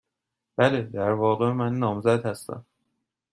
بله. در واقع، من نامزد هستم.